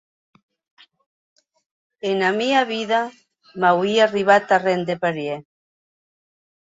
Ena mia vida m’auie arribat arren de parièr.